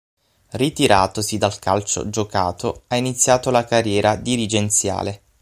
Ritiratosi dal calcio giocato, ha iniziato la carriera dirigenziale.